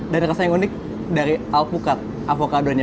dan rasa yang unik dari alpukat avokadonya